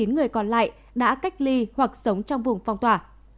một trăm hai mươi chín người còn lại đã cách ly hoặc sống trong vùng phong tỏa